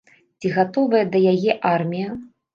Ці гатовая да яе армія?